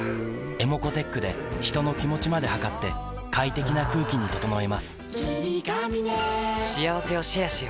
ｅｍｏｃｏーｔｅｃｈで人の気持ちまで測って快適な空気に整えます